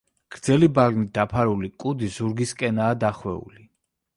გრძელი ბალნით დაფარული კუდი ზურგისკენაა დახვეული.